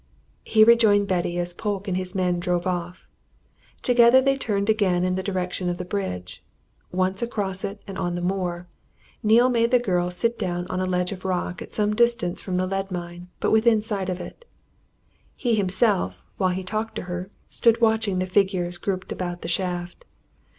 He rejoined Betty as Polke and his men drove off: together they turned again in the direction of the bridge. Once across it and on the moor, Neale made the girl sit down on a ledge of rock at some distance from the lead mine, but within sight of it: he himself, while he talked to her, stood watching the figures grouped about the shaft.